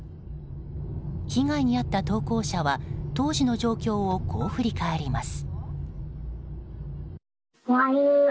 被害に遭った投稿者は当時の状況をこう振り返ります。